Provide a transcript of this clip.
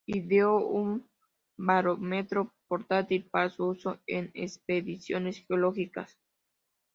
Ideó un barómetro portátil para su uso en expediciones geológicas.